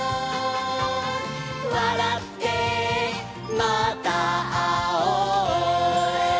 「わらってまたあおう」